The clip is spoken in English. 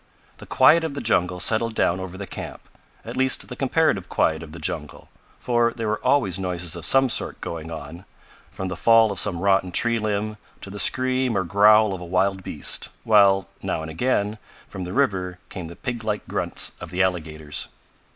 The quiet of the jungle settled down over the camp, at least the comparative quiet of the jungle, for there were always noises of some sort going on, from the fall of some rotten tree limb to the scream or growl of a wild beast, while, now and again, from the river came the pig like grunts of the alligators.